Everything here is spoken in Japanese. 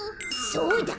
そうだ！